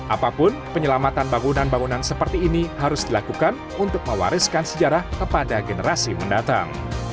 apapun penyelamatan bangunan bangunan seperti ini harus dilakukan untuk mewariskan sejarah kepada generasi mendatang